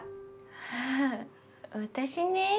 ああ私ねぇ。